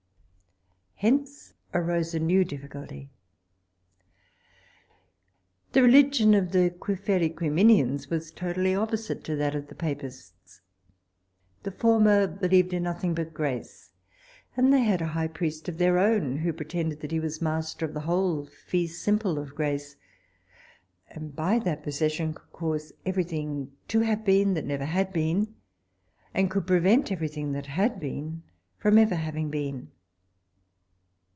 Hence arose a new difficulty. The religion of the Quifferiquiminians was totally opposite to that of the papists. The former believed in nothing but grace; and they had a high priest of their own, who pretended that he was master of the whole fee simple of grace, and by that possession could cause every thing to have been that never had been, and could prevent every thing that had been from ever having been.